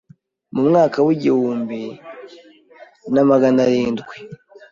mu mwaka wa igihumbi maganarindwi